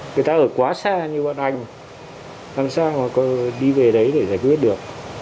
người ta ở quá xa như bọn anh làm sao mà có đi về đấy để giải quyết được